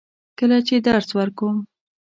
کله چې درس ورکوم.